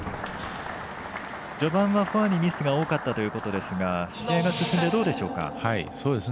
序盤はフォアにミスが多かったということですがどうでしょうか？